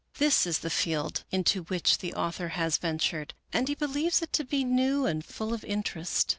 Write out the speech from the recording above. This is the field into which the author has ventured, and he believes it to be new and full of interest.